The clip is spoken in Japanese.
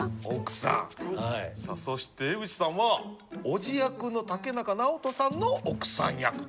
さあそして江口さんは伯父役の竹中直人さんの奥さん役という。